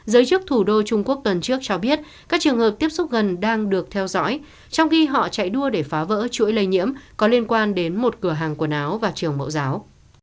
giới chức thủ đô trung quốc tuần trước cho biết các trường hợp tiếp xúc gần đang được theo dõi trong khi họ chạy đua để phá vỡ chuỗi lây nhiễm có liên quan đến một cửa hàng quần áo và trường mẫu giáo